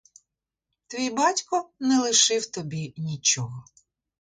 Твій батько не лишив тобі нічого.